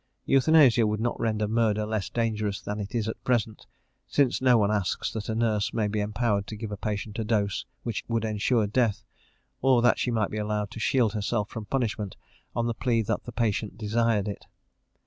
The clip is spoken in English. Euthanasia would not render murder less dangerous than it is at present, since no one asks that a nurse may be empowered to give a patient a dose which would ensure death, or that she might be allowed to shield herself from punishment on the plea that the patient desired it.